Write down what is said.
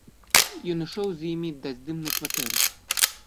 Ён ішоў з імі да здымнай кватэры.